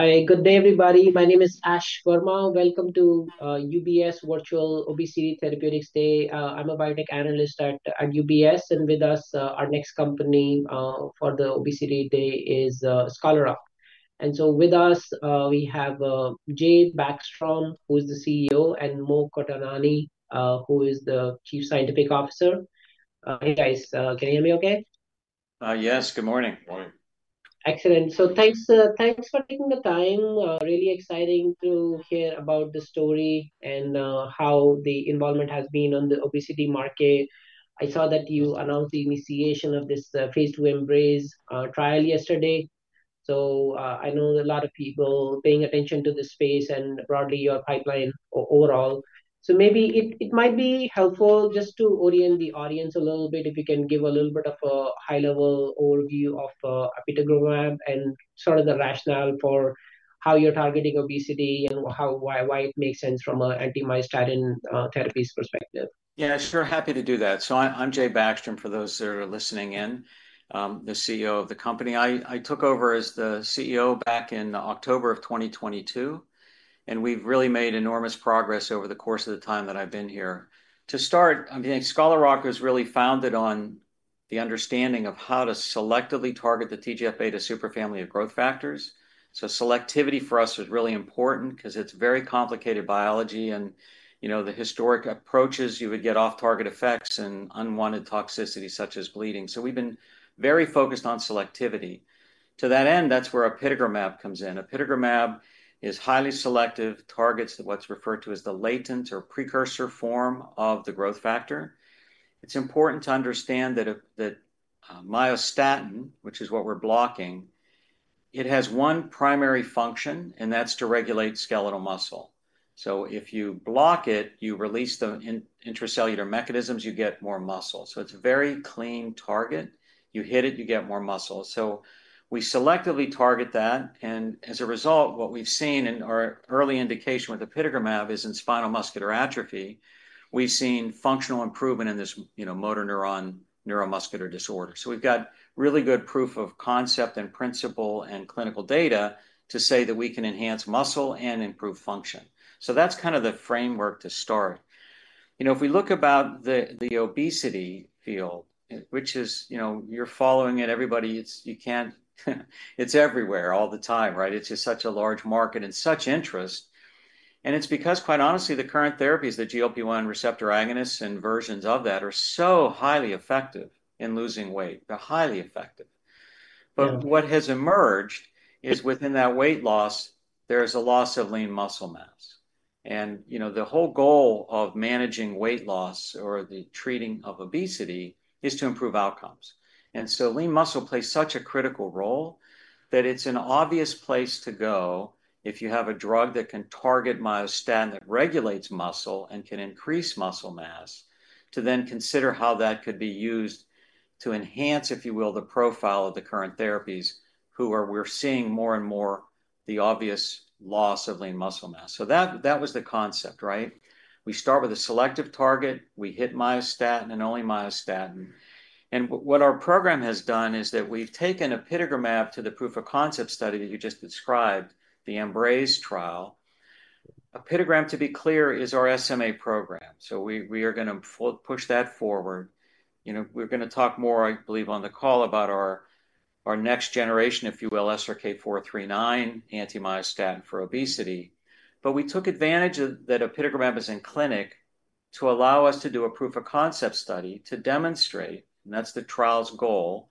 Hi, good day, everybody. My name is Ash Verma. Welcome to UBS Virtual Obesity Therapeutics Day. I'm a Biotech Analyst at UBS, and with us our next company for the Obesity Day is Scholar Rock. And so with us we have Jay Backstrom, who is the CEO, and Mo Qatanani, who is the Chief Scientific Officer. Hey, guys, can you hear me okay? Yes, good morning. Morning. Excellent. So thanks, thanks for taking the time. Really exciting to hear about the story and how the involvement has been on the obesity market. I saw that you announced the initiation of this phase II EMBRAZE trial yesterday. So I know a lot of people paying attention to this space and broadly, your pipeline overall. So maybe it might be helpful just to orient the audience a little bit, if you can give a little bit of a high-level overview of apitegromab, and sort of the rationale for how you're targeting obesity, and how, why it makes sense from a anti-myostatin therapies perspective. Yeah, sure, happy to do that. So I, I'm Jay Backstrom, for those that are listening in, the CEO of the company. I, I took over as the CEO back in October of 2022, and we've really made enormous progress over the course of the time that I've been here. To start, I think Scholar Rock was really founded on the understanding of how to selectively target the TGF-beta superfamily of growth factors. So selectivity for us is really important, 'cause it's very complicated biology, and, you know, the historic approaches, you would get off-target effects and unwanted toxicity, such as bleeding. So we've been very focused on selectivity. To that end, that's where apitegromab comes in. Apitegromab is highly selective, targets what's referred to as the latent or precursor form of the growth factor. It's important to understand that if... that, myostatin, which is what we're blocking, it has one primary function, and that's to regulate skeletal muscle. So if you block it, you release the intracellular mechanisms, you get more muscle. So it's a very clean target. You hit it, you get more muscle. So we selectively target that, and as a result, what we've seen in our early indication with apitegromab in spinal muscular atrophy. We've seen functional improvement in this, you know, motor neuron, neuromuscular disorder. So we've got really good proof of concept, and principle, and clinical data to say that we can enhance muscle and improve function. So that's kind of the framework to start. You know, if we look about the obesity field, which is, you know, you're following it, everybody, it's. You can't. It's everywhere all the time, right? It's just such a large market and such interest, and it's because, quite honestly, the current therapies, the GLP-1 receptor agonists and versions of that, are so highly effective in losing weight. They're highly effective. Yeah. But what has emerged is, within that weight loss, there's a loss of lean muscle mass. And, you know, the whole goal of managing weight loss or the treating of obesity is to improve outcomes. And so lean muscle plays such a critical role, that it's an obvious place to go if you have a drug that can target myostatin, that regulates muscle and can increase muscle mass, to then consider how that could be used to enhance, if you will, the profile of the current therapies, who are- we're seeing more and more the obvious loss of lean muscle mass. So that, that was the concept, right? We start with a selective target. We hit myostatin and only myostatin. And what our program has done is that we've taken apitegromab to the proof of concept study that you just described, the EMBRAZE trial. Apitegromab, to be clear, is our SMA program, so we are gonna push that forward. You know, we're gonna talk more, I believe, on the call about our next generation, if you will, SRK-439 anti-myostatin for obesity. But we took advantage of that apitegromab is in clinic to allow us to do a proof of concept study to demonstrate, and that's the trial's goal,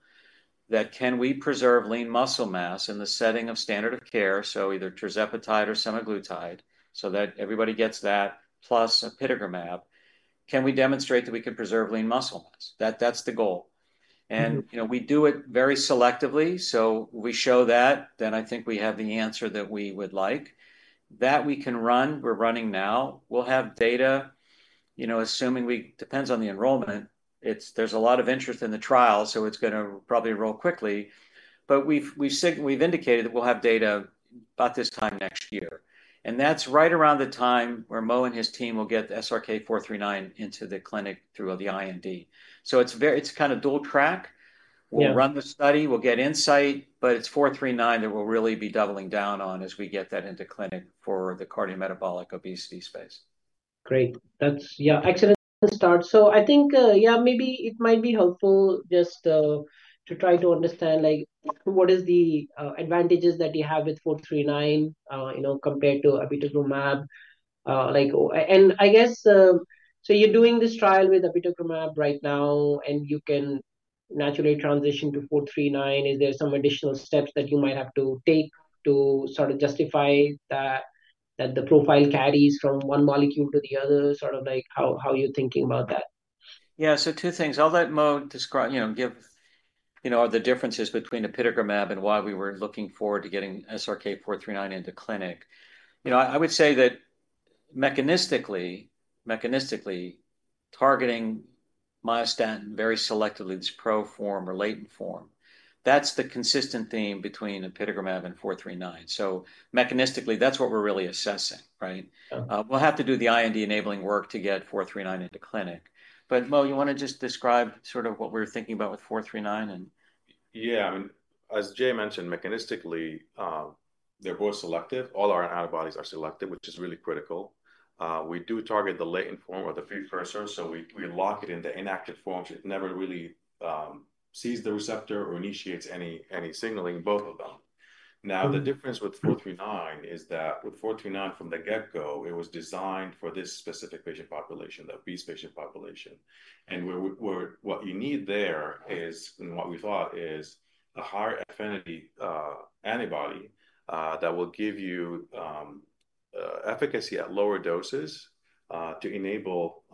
that can we preserve lean muscle mass in the setting of standard care, so either tirzepatide or semaglutide, so that everybody gets that, plus apitegromab. Can we demonstrate that we can preserve lean muscle mass? That's the goal. Mm-hmm. You know, we do it very selectively, so we show that, then I think we have the answer that we would like. That we can run, we're running now. We'll have data, you know, assuming we... depends on the enrollment. It's. There's a lot of interest in the trial, so it's gonna probably roll quickly. But we've indicated that we'll have data about this time next year, and that's right around the time where Mo and his team will get the SRK-439 into the clinic through the IND. So it's very. It's kind of dual track. Yeah. We'll run the study, we'll get insight, but it's 439 that we'll really be doubling down on as we get that into clinic for the cardiometabolic obesity space. Great. That's, yeah, excellent start. So I think, yeah, maybe it might be helpful just, to try to understand, like, what is the, advantages that you have with 439, you know, compared to apitegromab. Like, and I guess, so you're doing this trial with apitegromab right now, and you can naturally transition to 439. Is there some additional steps that you might have to take to sort of justify that, that the profile carries from one molecule to the other? Sort of like, how, how you're thinking about that? Yeah, so two things. I'll let Mo describe... you know, give, you know, the differences between apitegromab and why we were looking forward to getting SRK-439 into clinic. You know, I, I would say that mechanistically, mechanistically, targeting myostatin very selectively, this pro form or latent form, that's the consistent theme between apitegromab and 439. So mechanistically, that's what we're really assessing, right? Yeah. We'll have to do the IND-enabling work to get 439 into clinic. But Mo, you want to just describe sort of what we're thinking about with 439 and-... Yeah, I mean, as Jay mentioned, mechanistically, they're both selective. All our antibodies are selective, which is really critical. We do target the latent form or the precursor, so we lock it into inactive forms. It never really sees the receptor or initiates any signaling, both of them. Now, the difference with 439 is that with 439 from the get-go, it was designed for this specific patient population, the obese patient population. And where what you need there is, and what we thought is, a high-affinity antibody that will give you efficacy at lower doses to enable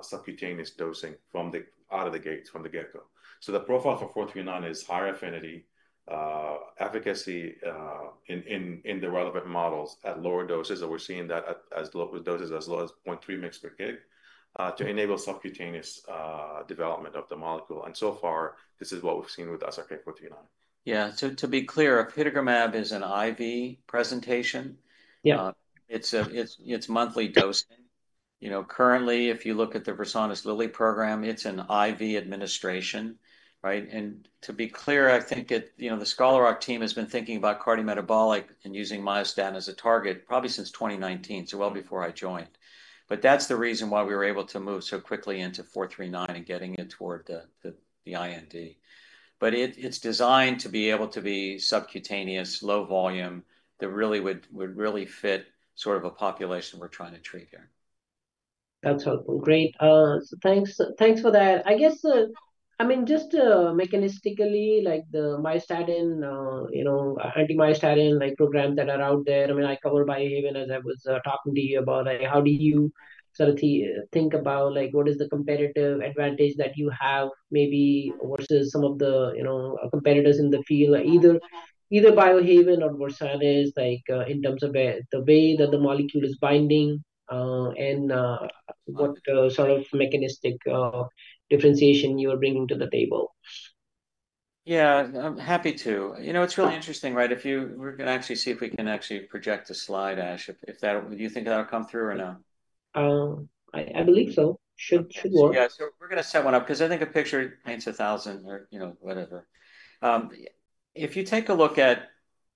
subcutaneous dosing from out of the gates from the get-go. So the profile for 439 is higher affinity, efficacy in the relevant models at lower doses, and we're seeing that at doses as low as 0.3 mg/kg to enable subcutaneous development of the molecule. So far, this is what we've seen with SRK-439. Yeah. So to be clear, apitegromab is an IV presentation. Yeah. It's monthly dosing. You know, currently, if you look at the Versanis Lilly program, it's an IV administration, right? And to be clear, I think it... You know, the Scholar Rock team has been thinking about cardiometabolic and using myostatin as a target, probably since 2019, so well before I joined. But that's the reason why we were able to move so quickly into 439 and getting it toward the IND. But it's designed to be able to be subcutaneous, low volume, that really would fit sort of a population we're trying to treat here. That's helpful. Great. So thanks, thanks for that. I guess, I mean, just, mechanistically, like the myostatin, you know, anti-myostatin, like, programs that are out there, I mean, I covered Biohaven as I was, talking to you about, like, how do you sort of think about, like, what is the competitive advantage that you have maybe versus some of the, you know, competitors in the field, either, either Biohaven or Versanis, like, in terms of the, the way that the molecule is binding, and, what, sort of mechanistic, differentiation you are bringing to the table? Yeah, I'm happy to. You know, it's really interesting- Sure... right? If you-- we're gonna actually see if we can actually project a slide, Ash, if, if that... Do you think that'll come through or no? I believe so. Should work. Yeah, so we're gonna set one up, because I think a picture paints a thousand or, you know, whatever. If you take a look at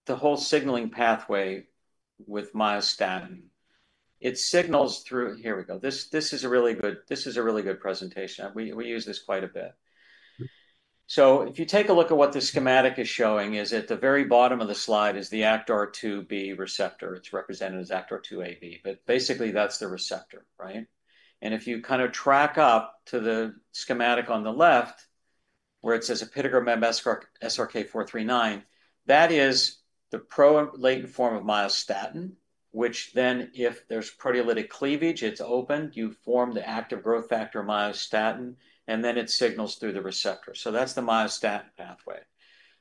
the whole signaling pathway with myostatin, it signals through... Here we go. This is a really good presentation. We use this quite a bit. So if you take a look at what this schematic is showing is, at the very bottom of the slide is the ActRIIB receptor. It's represented as ActRIIB, but basically, that's the receptor, right? And if you kind of track up to the schematic on the left, where it says apitegromab-SRK-439, that is the pro latent form of myostatin, which then, if there's proteolytic cleavage, it's opened, you form the active growth factor, myostatin, and then it signals through the receptor. So that's the myostatin pathway.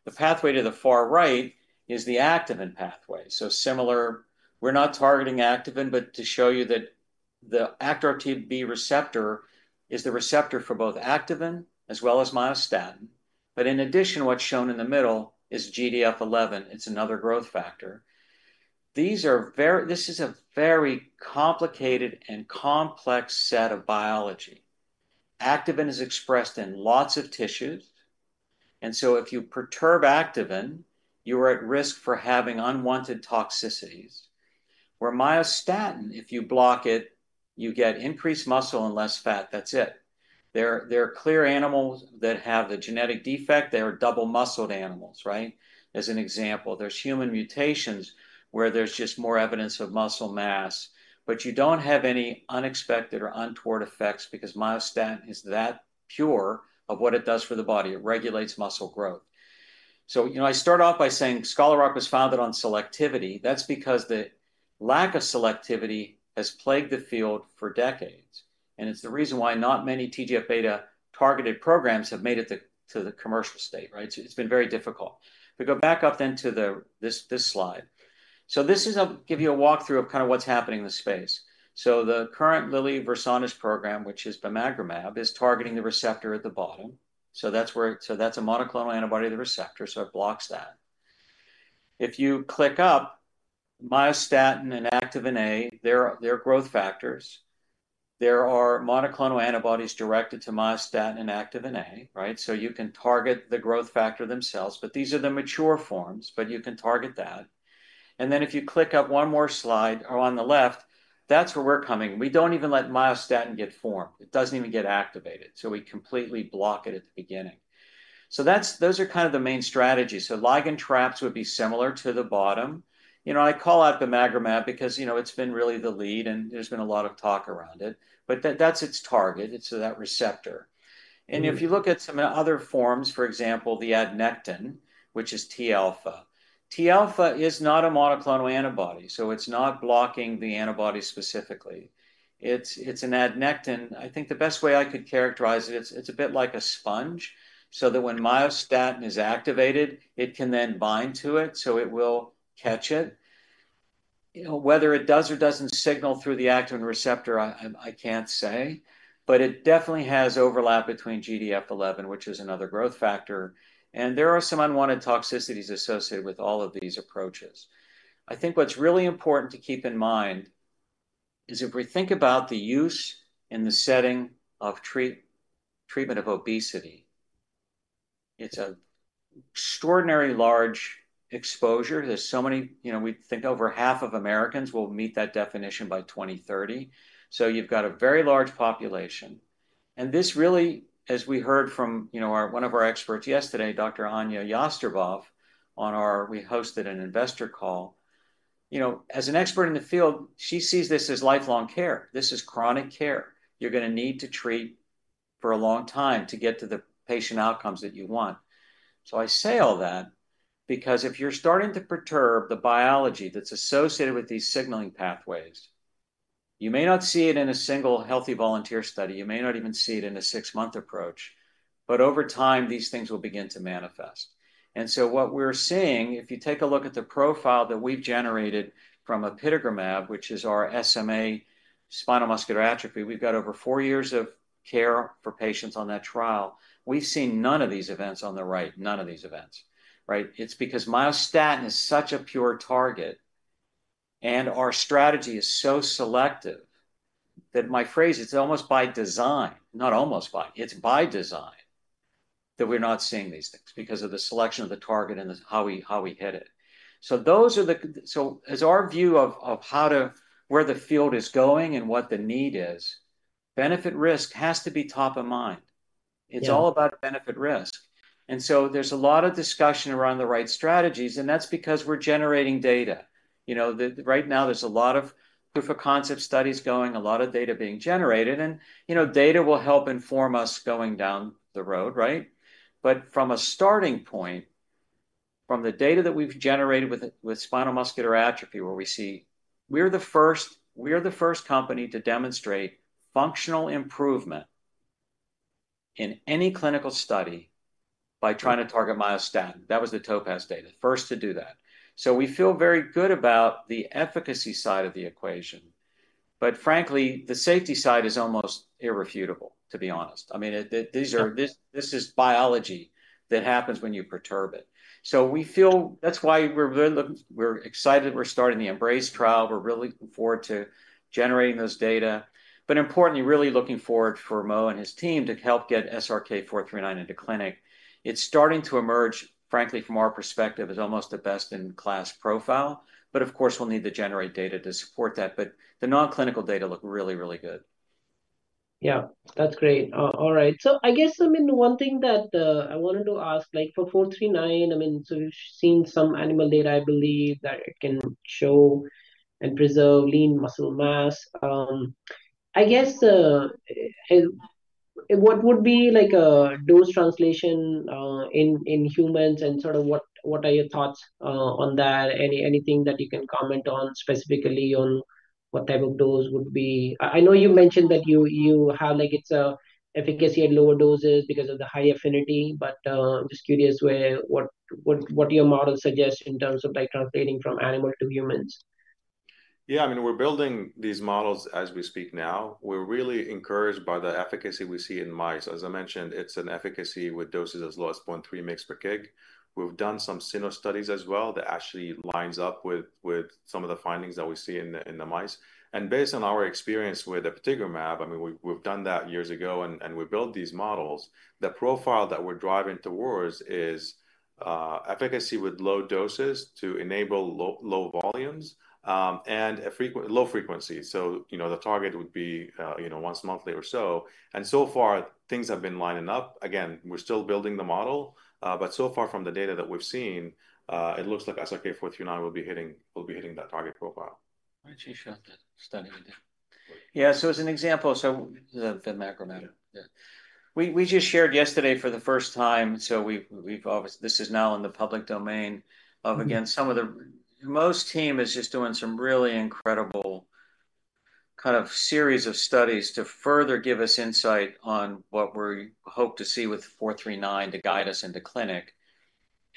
The pathway to the far right is the activin pathway. So similar, we're not targeting activin, but to show you that the ActRIIB receptor is the receptor for both activin as well as myostatin. But in addition, what's shown in the middle is GDF-11. It's another growth factor. These are very- this is a very complicated and complex set of biology. Activin is expressed in lots of tissues, and so if you perturb activin, you are at risk for having unwanted toxicities. Where myostatin, if you block it, you get increased muscle and less fat. That's it. There are clear animals that have the genetic defect. They are double-muscled animals, right? As an example, there's human mutations where there's just more evidence of muscle mass, but you don't have any unexpected or untoward effects because myostatin is that pure of what it does for the body. It regulates muscle growth. So, you know, I start off by saying Scholar Rock was founded on selectivity. That's because the lack of selectivity has plagued the field for decades, and it's the reason why not many TGF-beta targeted programs have made it to the commercial state, right? So it's been very difficult. If we go back up then to this slide. So this is a give you a walkthrough of kind of what's happening in the space. So the current Eli Lilly Versanis program, which is bimagrumab, is targeting the receptor at the bottom. So that's where... So that's a monoclonal antibody, the receptor, so it blocks that. If you click up, myostatin and activin A, they're growth factors. There are monoclonal antibodies directed to myostatin and activin A, right? So you can target the growth factor themselves, but these are the mature forms, but you can target that. And then if you click up one more slide or on the left, that's where we're coming. We don't even let myostatin get formed. It doesn't even get activated, so we completely block it at the beginning. So that's- those are kind of the main strategies. So ligand traps would be similar to the bottom. You know, I call out bimagrumab because, you know, it's been really the lead, and there's been a lot of talk around it. But that, that's its target. It's that receptor. And if you look at some other forms, for example, the adnectin, which is T alfa. T alpha is not a monoclonal antibody, so it's not blocking the antibody specifically. It's, it's an adnectin. I think the best way I could characterize it, it's a bit like a sponge, so that when myostatin is activated, it can then bind to it, so it will catch it. You know, whether it does or doesn't signal through the activin receptor, I can't say, but it definitely has overlap between GDF-11, which is another growth factor, and there are some unwanted toxicities associated with all of these approaches. I think what's really important to keep in mind is if we think about the use in the setting of treatment of obesity, it's an extraordinary large exposure. There's so many, you know, we think over half of Americans will meet that definition by 2030. So you've got a very large population, and this really, as we heard from, you know, our one of our experts yesterday, Dr. Ania Jastreboff, on our... We hosted an investor call. You know, as an expert in the field, she sees this as lifelong care. This is chronic care. You're gonna need to treat for a long time to get to the patient outcomes that you want. So I say all that because if you're starting to perturb the biology that's associated with these signaling pathways, you may not see it in a single healthy volunteer study, you may not even see it in a six-month approach, but over time, these things will begin to manifest. And so what we're seeing, if you take a look at the profile that we've generated from apitegromab, which is our SMA, spinal muscular atrophy, we've got over four years of care for patients on that trial. We've seen none of these events on the right, none of these events, right? It's because myostatin is such a pure target, and our strategy is so selective, that my phrase, it's almost by design, not almost by, it's by design, that we're not seeing these things because of the selection of the target and the... how we, how we hit it. So those are the so as our view of, of how to- where the field is going and what the need is, benefit-risk has to be top of mind. Yeah. It's all about benefit-risk, and so there's a lot of discussion around the right strategies, and that's because we're generating data. You know, right now there's a lot of proof of concept studies going, a lot of data being generated, and, you know, data will help inform us going down the road, right? But from a starting point, from the data that we've generated with spinal muscular atrophy, where we see we're the first, we're the first company to demonstrate functional improvement in any clinical study by trying to target myostatin. That was the TOPAZ data. First to do that. So we feel very good about the efficacy side of the equation, but frankly, the safety side is almost irrefutable, to be honest. I mean, this is biology that happens when you perturb it. So we feel... That's why we're really, we're excited we're starting the EMBRAZE trial. We're really looking forward to generating those data. But importantly, really looking forward for Mo and his team to help get SRK-439 into clinic. It's starting to emerge, frankly, from our perspective, as almost the best-in-class profile, but of course, we'll need to generate data to support that. But the non-clinical data look really, really good. Yeah, that's great. All right. So I guess, I mean, one thing that I wanted to ask, like for 439, I mean, so you've seen some animal data, I believe, that it can show and preserve lean muscle mass. I guess, what would be like a dose translation in humans, and sort of what are your thoughts on that? Anything that you can comment on, specifically on what type of dose would be... I know you mentioned that you have like it's efficacy at lower doses because of the high affinity, but I'm just curious what your model suggests in terms of, like, translating from animal to humans. Yeah, I mean, we're building these models as we speak now. We're really encouraged by the efficacy we see in mice. As I mentioned, it's an efficacy with doses as low as 0.3 mg per kg. We've done some cyno studies as well that actually lines up with some of the findings that we see in the mice. And based on our experience with apitegromab, I mean, we've done that years ago, and we built these models, the profile that we're driving towards is efficacy with low doses to enable low volumes and low frequency. So, you know, the target would be, you know, once monthly or so. And so far, things have been lining up. Again, we're still building the model, but so far, from the data that we've seen, it looks like SRK-439 will be hitting, will be hitting that target profile. Why don't you show that study? Yeah, so as an example, so the bimagrumab. Yeah. Yeah. We just shared yesterday for the first time, so we've obviously, this is now in the public domain. Mm-hmm. Once again, some of the Mo's team is just doing some really incredible kind of series of studies to further give us insight on what we're hoping to see with 439 to guide us into clinic.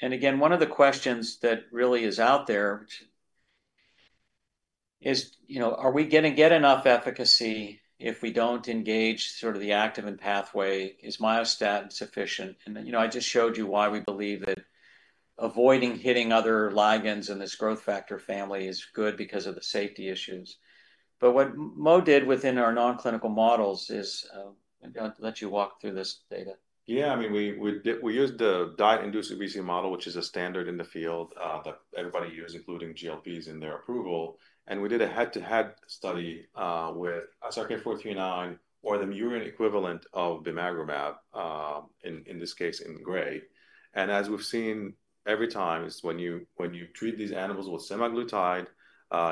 And again, one of the questions that really is out there, which is, you know, are we gonna get enough efficacy if we don't engage sort of the activin pathway? Is myostatin sufficient? And, you know, I just showed you why we believe that avoiding hitting other ligands in this growth factor family is good because of the safety issues. But what Mo did within our non-clinical models is, I'll let you walk through this data. Yeah, I mean, we used the diet-induced obesity model, which is a standard in the field, that everybody uses, including GLPs in their approval. And we did a head-to-head study with SRK-439 or the murine equivalent of bimagrumab, in this case, in gray. And as we've seen every time, is when you treat these animals with semaglutide,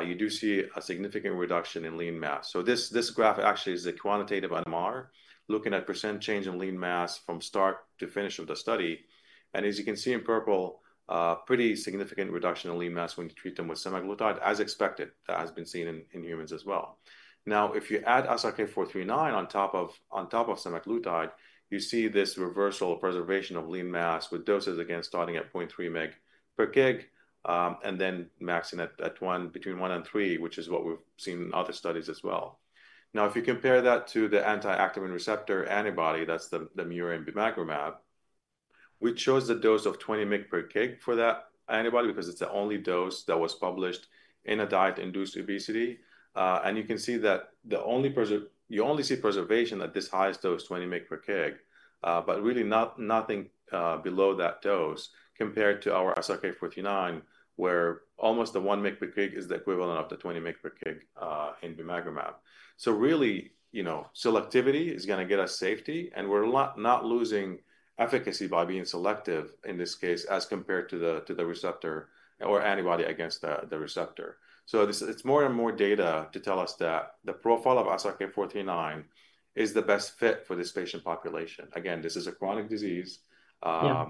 you do see a significant reduction in lean mass. So this graph actually is a quantitative MR, looking at percent change in lean mass from start to finish of the study. And as you can see in purple, a pretty significant reduction in lean mass when you treat them with semaglutide, as expected, that has been seen in humans as well. Now, if you add SRK-439 on top of semaglutide, you see this reversal or preservation of lean mass with doses, again, starting at 0.3 mg per kg, and then maxing at between 1 and 3, which is what we've seen in other studies as well. Now, if you compare that to the anti-activin receptor antibody, that's the murine bimagrumab. We chose the dose of 20 mg per kg for that antibody, because it's the only dose that was published in a diet-induced obesity. And you can see that you only see preservation at this highest dose, 20 mg per kg. But really nothing below that dose compared to our SRK-439, where almost the 1 mg per kg is the equivalent of the 20 mg per kg in bimagrumab. So really, you know, selectivity is gonna get us safety, and we're not losing efficacy by being selective in this case, as compared to the, to the receptor or antibody against the, the receptor. So this, it's more and more data to tell us that the profile of SRK-439 is the best fit for this patient population. Again, this is a chronic disease. Yeah.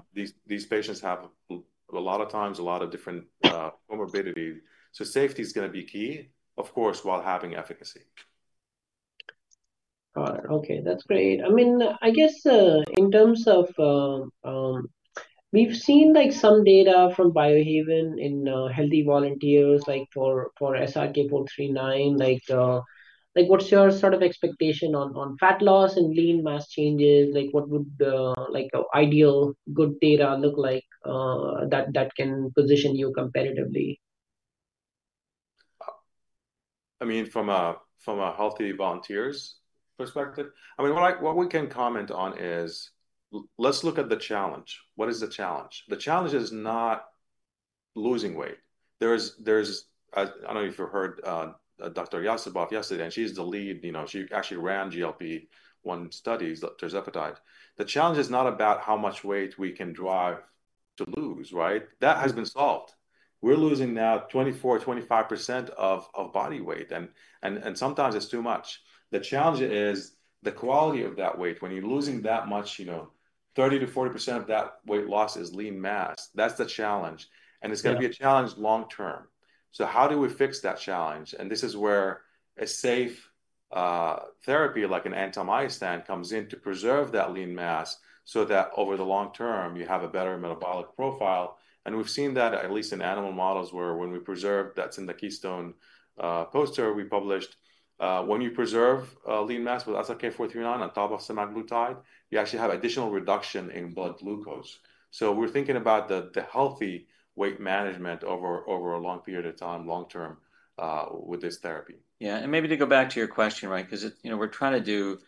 These patients have, a lot of times, a lot of different comorbidity. So safety is gonna be key, of course, while having efficacy. Got it. Okay, that's great. I mean, I guess, in terms of... We've seen, like, some data from Biohaven in healthy volunteers, like, for SRK-439. Like, like what's your sort of expectation on fat loss and lean mass changes? Like, what would, like, an ideal good data look like, that can position you competitively? I mean, from a healthy volunteer's perspective? I mean, what we can comment on is, let's look at the challenge. What is the challenge? The challenge is not losing weight. There is... I don't know if you heard Dr. Jastreboff yesterday, and she's the lead, you know, she actually ran GLP-1 studies, tirzepatide. The challenge is not about how much weight we can drive to lose, right? That has been solved. We're losing now 24%-25% of body weight, and sometimes it's too much. The challenge is the quality of that weight. When you're losing that much, you know, 30%-40% of that weight loss is lean mass. That's the challenge- Yeah... and it's gonna be a challenge long term. So how do we fix that challenge? And this is where a safe, therapy, like an anti-myostatin, comes in to preserve that lean mass, so that over the long term you have a better metabolic profile. And we've seen that, at least in animal models, where when we preserve, that's in the Keystone, poster we published, when you preserve, lean mass with SRK-439 on top of semaglutide, you actually have additional reduction in blood glucose. So we're thinking about the, the healthy weight management over, over a long period of time, long term, with this therapy. Yeah, and maybe to go back to your question, right? 'Cause it, you know, we're trying to do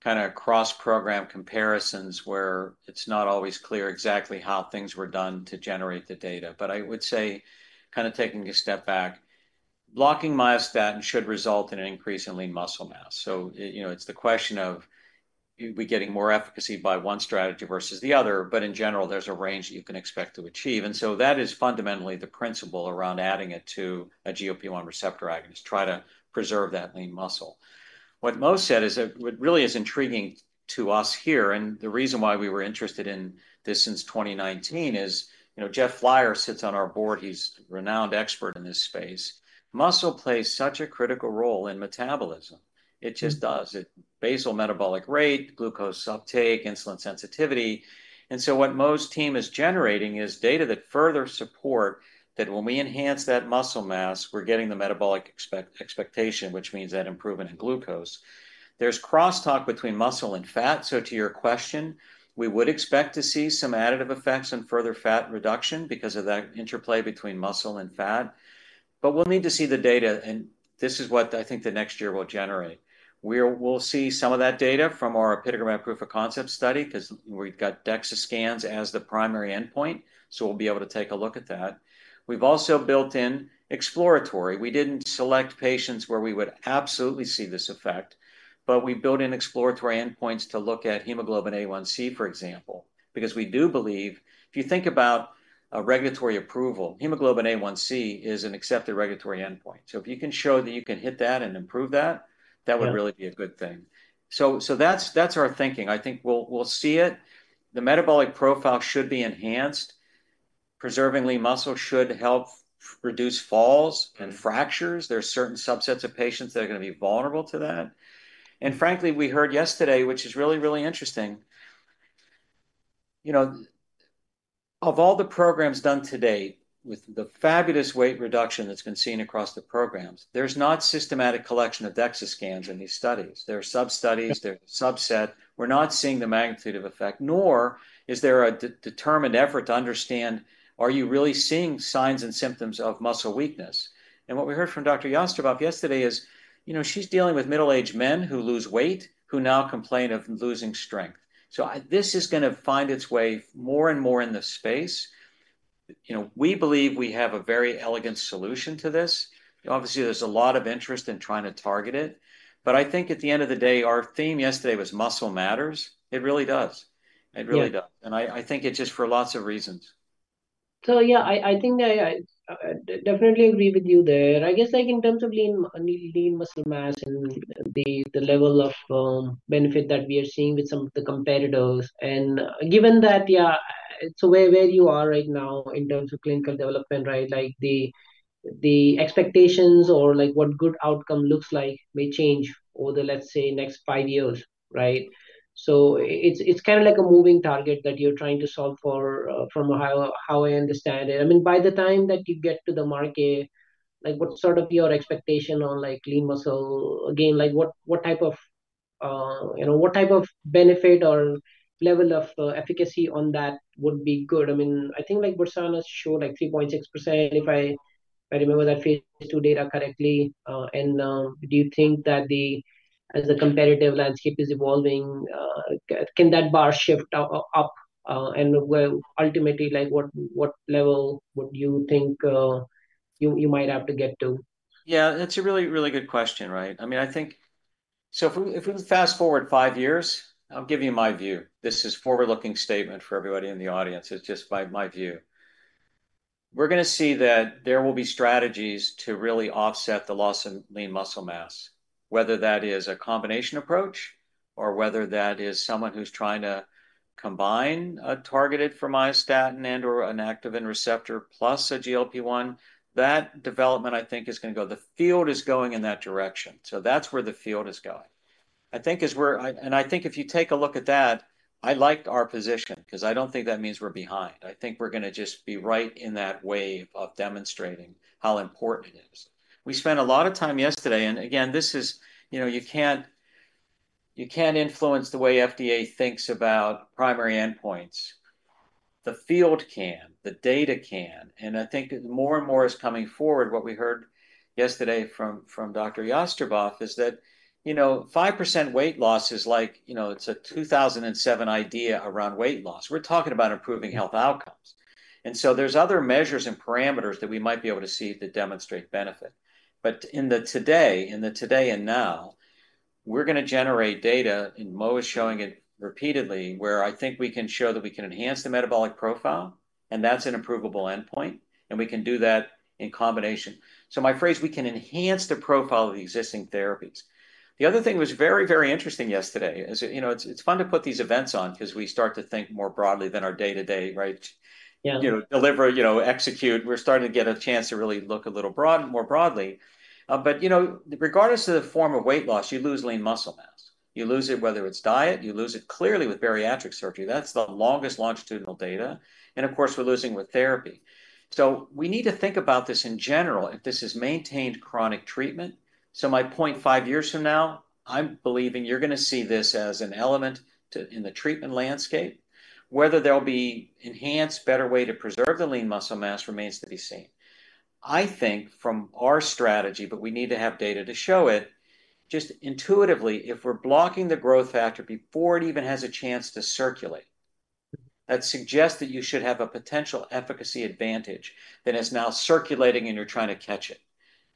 kind of cross-program comparisons, where it's not always clear exactly how things were done to generate the data. But I would say, kind of taking a step back, blocking myostatin should result in an increase in lean muscle mass. So, you know, it's the question of, are we getting more efficacy by one strategy versus the other? But in general, there's a range that you can expect to achieve. And so that is fundamentally the principle around adding it to a GLP-1 receptor agonist, try to preserve that lean muscle. What Mo said is that, what really is intriguing to us here, and the reason why we were interested in this since 2019, is, you know, Jeff Flier sits on our board, he's a renowned expert in this space. Muscle plays such a critical role in metabolism. It just does. Mm. Basal metabolic rate, glucose uptake, insulin sensitivity. So what Mo's team is generating is data that further support that when we enhance that muscle mass, we're getting the metabolic expectation, which means that improvement in glucose. There's crosstalk between muscle and fat, so to your question, we would expect to see some additive effects and further fat reduction because of that interplay between muscle and fat. But we'll need to see the data, and this is what I think the next year will generate. We'll see some of that data from our apitegromab proof of concept study, 'cause we've got DEXA scans as the primary endpoint, so we'll be able to take a look at that. We've also built in exploratory. We didn't select patients where we would absolutely see this effect, but we built in exploratory endpoints to look at hemoglobin A1C, for example, because we do believe... If you think about a regulatory approval, hemoglobin A1C is an accepted regulatory endpoint. So if you can show that you can hit that and improve that- Yeah... that would really be a good thing. So, so that's, that's our thinking. I think we'll, we'll see it. The metabolic profile should be enhanced. Preserving lean muscle should help reduce falls and fractures. There are certain subsets of patients that are gonna be vulnerable to that. And frankly, we heard yesterday, which is really, really interesting, you know, of all the programs done to date, with the fabulous weight reduction that's been seen across the programs, there's not systematic collection of DEXA scans in these studies. There are sub-studies- Yeah... there are subsets. We're not seeing the magnitude of effect, nor is there a determined effort to understand, are you really seeing signs and symptoms of muscle weakness? And what we heard from Dr. Jastreboff yesterday is, you know, she's dealing with middle-aged men who lose weight, who now complain of losing strength. So this is gonna find its way more and more in the space. You know, we believe we have a very elegant solution to this. Obviously, there's a lot of interest in trying to target it, but I think at the end of the day, our theme yesterday was muscle matters. It really does. Yeah. It really does, and I think it's just for lots of reasons. So yeah, I think I definitely agree with you there. I guess, like, in terms of lean muscle mass and the level of benefit that we are seeing with some of the competitors, and given that, so where you are right now in terms of clinical development, right, like the expectations or, like, what good outcome looks like may change over the, let's say, next five years, right? So it's kind of like a moving target that you're trying to solve for, from how I understand it. I mean, by the time that you get to the market, like, what's sort of your expectation on, like, lean muscle gain? Like, what type of-... you know, what type of benefit or level of efficacy on that would be good? I mean, I think like Versanis showed, like, 3.6%, if I, if I remember that phase II data correctly. Do you think that the- Yeah. As the competitive landscape is evolving, can that bar shift up, and where ultimately, like, what level would you think you might have to get to? Yeah, that's a really, really good question, right? I mean, I think... So if we, if we fast-forward five years, I'll give you my view. This is forward-looking statement for everybody in the audience. It's just my, my view. We're gonna see that there will be strategies to really offset the loss in lean muscle mass, whether that is a combination approach, or whether that is someone who's trying to combine a targeted for myostatin and/or an activin receptor, plus a GLP-1, that development, I think, is gonna go... The field is going in that direction, so that's where the field is going. I think... And I think if you take a look at that, I like our position, 'cause I don't think that means we're behind. I think we're gonna just be right in that wave of demonstrating how important it is. We spent a lot of time yesterday, and again, this is, you know, you can't, you can't influence the way FDA thinks about primary endpoints. The field can, the data can, and I think that more and more is coming forward. What we heard yesterday from Dr. Jastreboff is that, you know, 5% weight loss is like, you know, it's a 2007 idea around weight loss. We're talking about improving health outcomes. And so there's other measures and parameters that we might be able to see that demonstrate benefit. But in the here and now, we're gonna generate data, and Mo is showing it repeatedly, where I think we can show that we can enhance the metabolic profile, and that's an approvable endpoint, and we can do that in combination. So my phrase, we can enhance the profile of the existing therapies. The other thing that was very, very interesting yesterday is, you know, it's fun to put these events on because we start to think more broadly than our day-to-day, right? Yeah. You know, deliver, you know, execute. We're starting to get a chance to really look a little broad- more broadly. But you know, regardless of the form of weight loss, you lose lean muscle mass. You lose it, whether it's diet, you lose it clearly with bariatric surgery. That's the longest longitudinal data, and of course, we're losing with therapy. So we need to think about this in general, if this is maintained chronic treatment. So my point 5 years from now, I'm believing you're gonna see this as an element to... in the treatment landscape. Whether there'll be enhanced, better way to preserve the lean muscle mass remains to be seen. I think from our strategy, but we need to have data to show it. Just intuitively, if we're blocking the growth factor before it even has a chance to circulate, that suggests that you should have a potential efficacy advantage than is now circulating, and you're trying to catch it.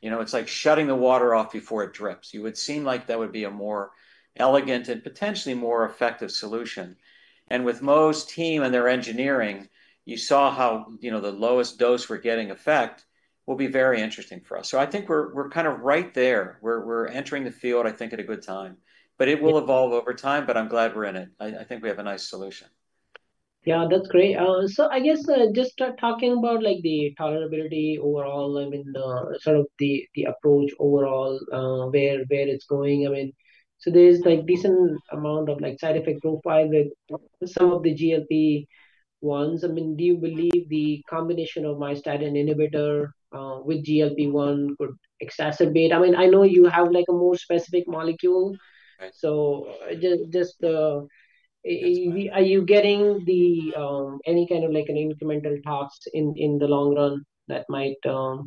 You know, it's like shutting the water off before it drips. You would seem like that would be a more elegant and potentially more effective solution. And with Mo's team and their engineering, you saw how, you know, the lowest dose we're getting effect will be very interesting for us. So I think we're, we're kind of right there. We're, we're entering the field, I think, at a good time. But it will evolve over time, but I'm glad we're in it. I, I think we have a nice solution. Yeah, that's great. So I guess, just start talking about, like, the tolerability overall, I mean, the sort of the approach overall, where it's going. I mean, so there's, like, decent amount of, like, side effect profile with some of the GLP-1s. I mean, do you believe the combination of myostatin inhibitor with GLP-1 could exacerbate? I mean, I know you have, like, a more specific molecule. Right. So just, That's fine... are you getting the, any kind of, like, an incremental tasks in the long run that might, No.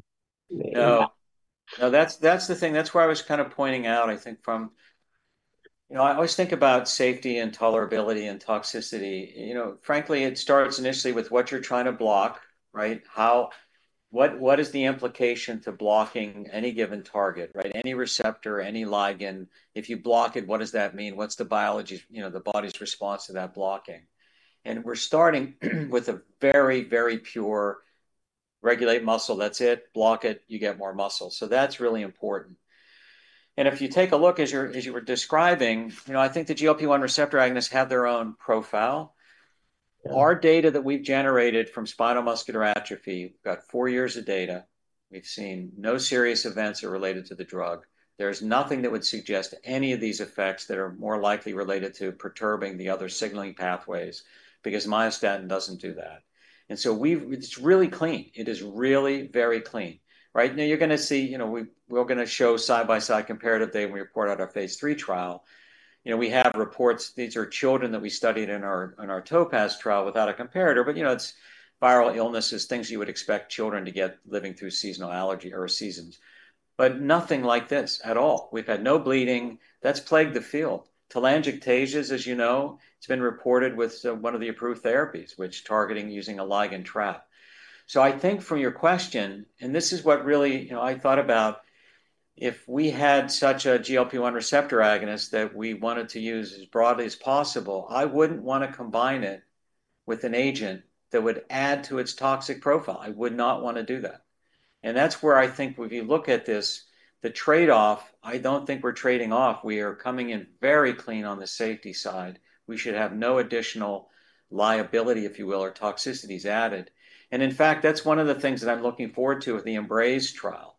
No, that's, that's the thing. That's where I was kind of pointing out, I think from... You know, I always think about safety and tolerability and toxicity. You know, frankly, it starts initially with what you're trying to block, right? How... What, what is the implication to blocking any given target, right? Any receptor, any ligand. If you block it, what does that mean? What's the biology, you know, the body's response to that blocking? And we're starting with a very, very pure regulator of muscle. That's it. Block it, you get more muscle. So that's really important. And if you take a look, as you're, as you were describing, you know, I think the GLP-1 receptor agonists have their own profile. Yeah. Our data that we've generated from spinal muscular atrophy, we've got four years of data, we've seen no serious events are related to the drug. There's nothing that would suggest any of these effects that are more likely related to perturbing the other signaling pathways, because myostatin doesn't do that. And so we've... It's really clean. It is really very clean, right? Now, you're gonna see- you know, we- we're gonna show side-by-side comparative data when we report out our phase III trial. You know, we have reports, these are children that we studied in our, in our TOPAZ trial without a comparator. But, you know, it's viral illnesses, things you would expect children to get living through seasonal allergy or seasons, but nothing like this at all. We've had no bleeding. That's plagued the field. Telangiectasias, as you know, it's been reported with one of the approved therapies, which targeting using a ligand trap. So I think from your question, and this is what really, you know, I thought about, if we had such a GLP-1 receptor agonist that we wanted to use as broadly as possible, I wouldn't want to combine it with an agent that would add to its toxic profile. I would not want to do that. And that's where I think when you look at this, the trade-off, I don't think we're trading off. We are coming in very clean on the safety side. We should have no additional liability, if you will, or toxicities added. And in fact, that's one of the things that I'm looking forward to with the EMBRAZE trial,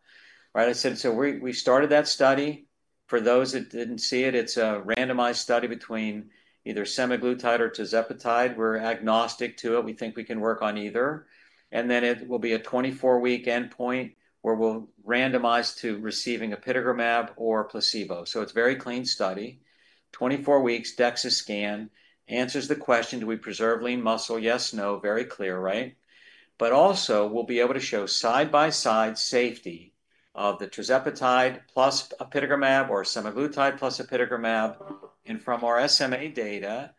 right? I said, so we started that study-... For those that didn't see it, it's a randomized study between either semaglutide or tirzepatide. We're agnostic to it. We think we can work on either, and then it will be a 24-week endpoint, where we'll randomize to receiving apitegromab or placebo. So it's very clean study. 24 weeks, DEXA scan, answers the question, do we preserve lean muscle? Yes, no, very clear, right? But also, we'll be able to show side-by-side safety of the tirzepatide plus apitegromab, or semaglutide plus apitegromab. And from our SMA data,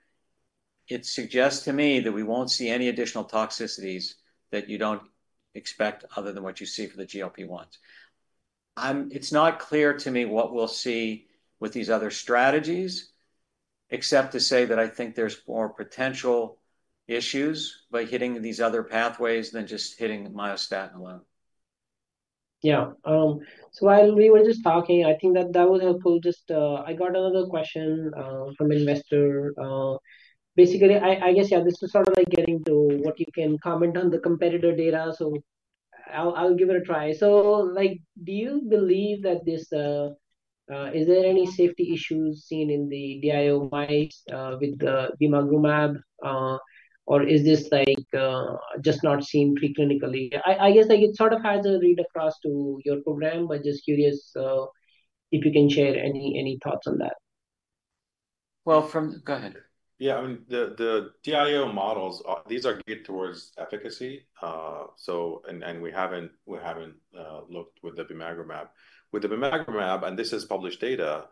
it suggests to me that we won't see any additional toxicities that you don't expect other than what you see for the GLP-1s. It's not clear to me what we'll see with these other strategies, except to say that I think there's more potential issues by hitting these other pathways than just hitting myostatin alone. Yeah. So while we were just talking, I think that that would helpful. Just, I got another question from investor. Basically, I guess, yeah, this is sort of like getting to what you can comment on the competitor data, so I'll give it a try. So like, do you believe that this is there any safety issues seen in the DIO mice with the bimagrumab? Or is this like just not seen preclinically? I guess, like, it sort of has a read-across to your program, but just curious if you can share any thoughts on that. Well, from... Go ahead. Yeah, I mean, the DIO models, these are geared towards efficacy. So, and we haven't looked with the bimagrumab. With the bimagrumab, and this is published data,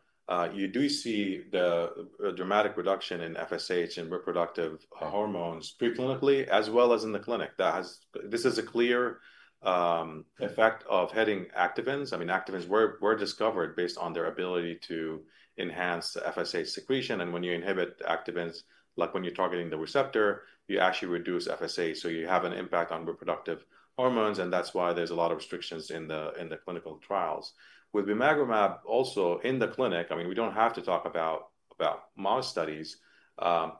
you do see the dramatic reduction in FSH and reproductive hormones preclinically, as well as in the clinic. That has. This is a clear effect of hitting activins. I mean, activins were discovered based on their ability to enhance the FSH secretion, and when you inhibit the activins, like when you're targeting the receptor, you actually reduce FSH. So you have an impact on reproductive hormones, and that's why there's a lot of restrictions in the clinical trials. With bimagrumab, also in the clinic, I mean, we don't have to talk about mouse studies.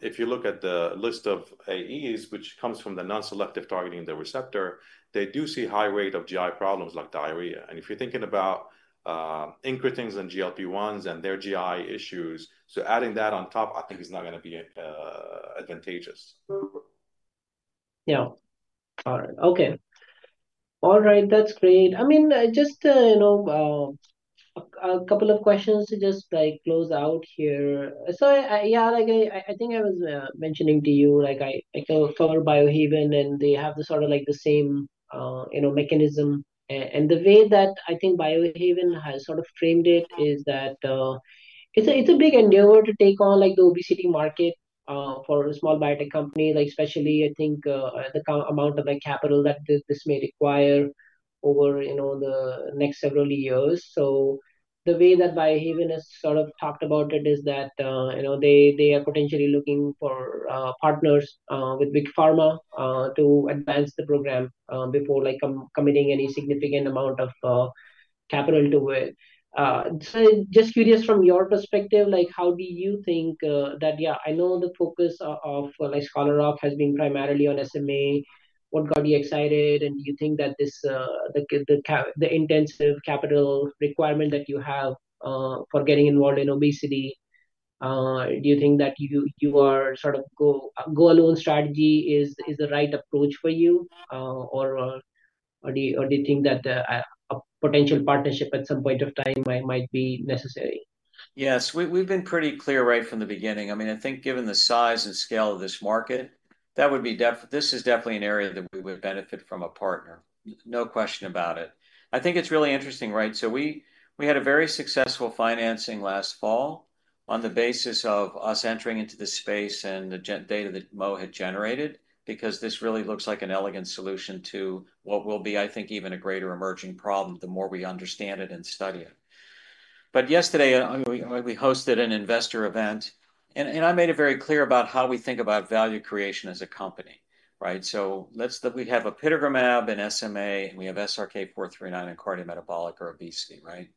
If you look at the list of AEs, which comes from the non-selective targeting of the receptor, they do see high rate of GI problems, like diarrhea. If you're thinking about incretins and GLP-1s, and their GI issues, so adding that on top, I think is not gonna be a advantageous. Yeah. All right. Okay. All right, that's great. I mean, just, you know, a couple of questions to just, like, close out here. So, yeah, like I think I was mentioning to you, like, for Biohaven, and they have the sort of like the same, you know, mechanism. And the way that I think Biohaven has sort of framed it is that, it's a big endeavor to take on, like, the obesity market, for a small biotech company, like, especially I think, the amount of, like, capital that this, this may require over, you know, the next several years. So the way that Biohaven has sort of talked about it is that, you know, they, they are potentially looking for, partners, with big pharma, to advance the program, before, like, committing any significant amount of, capital into it. So just curious from your perspective, like, how do you think, that... Yeah, I know the focus of, like, Scholar Rock has been primarily on SMA. What got you excited, and you think that this, the intensive capital requirement that you have, for getting involved in obesity, do you think that you, you are sort of go, go alone strategy is, the right approach for you? Or, or do you, or do you think that, a potential partnership at some point of time might, be necessary? Yes. We've been pretty clear right from the beginning. I mean, I think given the size and scale of this market, this is definitely an area that we would benefit from a partner, no question about it. I think it's really interesting, right? So we had a very successful financing last fall on the basis of us entering into this space and the data that Mo had generated, because this really looks like an elegant solution to what will be, I think, even a greater emerging problem, the more we understand it and study it. But yesterday, we hosted an investor event, and I made it very clear about how we think about value creation as a company, right? So let's look, we have apitegromab and SMA, and we have SRK-439 and cardiometabolic or obesity, right?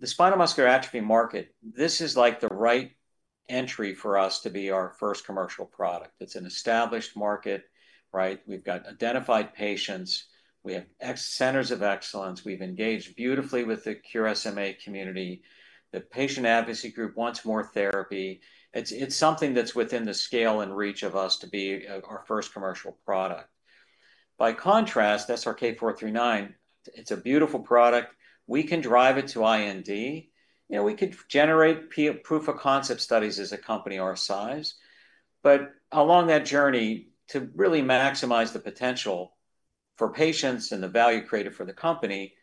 The spinal muscular atrophy market, this is like the right entry for us to be our first commercial product. It's an established market, right? We've got identified patients. We have centers of excellence. We've engaged beautifully with the Cure SMA community. The patient advocacy group wants more therapy. It's something that's within the scale and reach of us to be our first commercial product. By contrast, SRK-439, it's a beautiful product. We can drive it to IND. You know, we could generate proof of concept studies as a company our size. But along that journey, to really maximize the potential for patients and the value created for the company,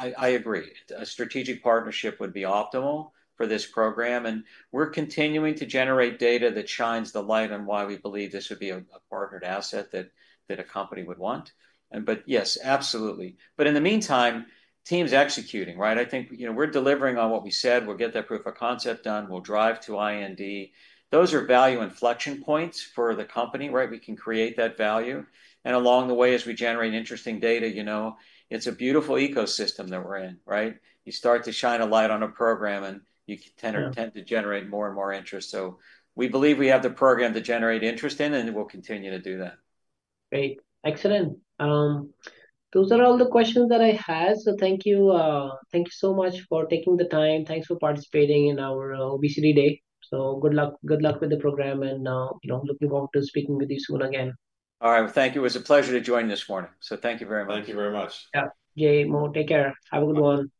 I agree, a strategic partnership would be optimal for this program, and we're continuing to generate data that shines the light on why we believe this would be a partnered asset that a company would want. But yes, absolutely. But in the meantime, team's executing, right? I think, you know, we're delivering on what we said. We'll get that proof of concept done. We'll drive to IND. Those are value inflection points for the company, right? We can create that value, and along the way, as we generate interesting data, you know, it's a beautiful ecosystem that we're in, right? You start to shine a light on a program, and you can tend- Yeah... tend to generate more and more interest. So we believe we have the program to generate interest in, and we'll continue to do that. Great. Excellent. Those are all the questions that I had. Thank you. Thank you so much for taking the time. Thanks for participating in our obesity day. Good luck, good luck with the program, and you know, looking forward to speaking with you soon again. All right. Thank you. It was a pleasure to join you this morning, so thank you very much. Thank you very much. Yeah. Yay, Mo, take care. Have a good one. Bye.